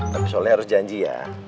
tapi soalnya harus janji ya